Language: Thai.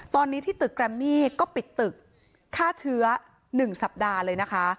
ตอนนี้ที่ตึกแกรมมี่ก็ปิดตึกฆ่าเชื้อ๑สัปดาห์เลยนะคะ